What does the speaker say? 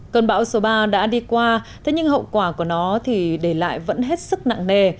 cơn bão số ba đã đi qua thế nhưng hậu quả của nó thì để lại vẫn hết sức nặng nề